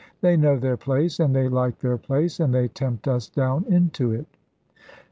They know their place, and they like their place, and they tempt us down into it.